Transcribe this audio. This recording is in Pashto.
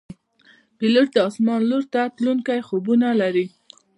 پیلوټ د آسمان لور ته تلونکي خوبونه لري.